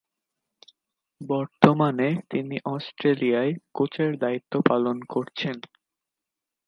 বর্তমানে তিনি অস্ট্রেলিয়ায় কোচের দায়িত্ব পালন করছেন।